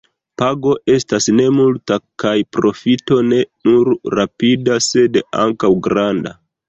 Pago estas ne multa kaj profito ne nur rapida sed ankaŭ granda.